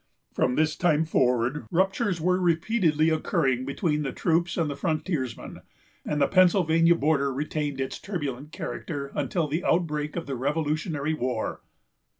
From this time forward, ruptures were repeatedly occurring between the troops and the frontiersmen; and the Pennsylvania border retained its turbulent character until the outbreak of the Revolutionary War.